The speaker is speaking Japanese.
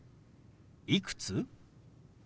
「いくつ？」。